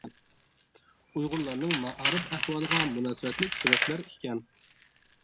ئۇيغۇرلارنىڭ مائارىپ ئەھۋالىغا مۇناسىۋەتلىك سۈرەتلەر ئىكەن.